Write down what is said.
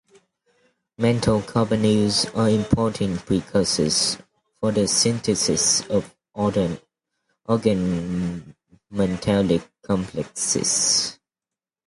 Metal carbonyls are important precursors for the synthesis of other organometalic complexes.